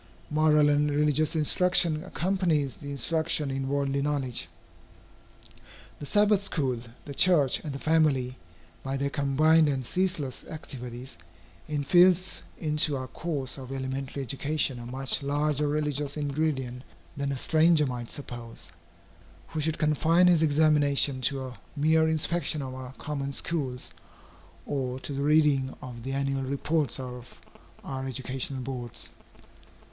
Moral and religious instruction accompanies the instruction in worldly knowledge. The Sabbath school, the church, and the family, by their combined and ceaseless activities, infuse into our course of elementary education a much larger religious ingredient than a stranger might suppose, who should confine his examination to a mere inspection of our common schools, or to the reading of the annual reports of our educational boards.